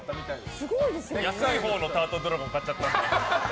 安いほうのタートルドラゴン買っちゃったんだよ。